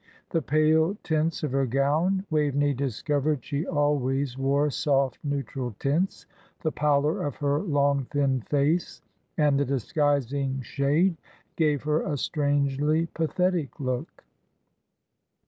The pale tints of her gown Waveney discovered she always wore soft, neutral tints the pallor of her long, thin face, and the disguising shade, gave her a strangely pathetic look.